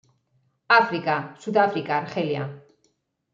África: Sudáfrica, Argelia.